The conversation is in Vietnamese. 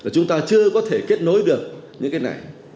chúng ta chưa có thể kết nối được những cái này